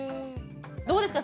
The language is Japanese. どうですか？